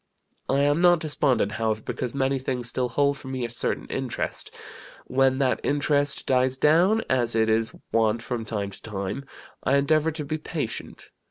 I am not despondent, however, because many things still hold for me a certain interest. When that interest dies down, as it is wont from time to time, I endeavor to be patient.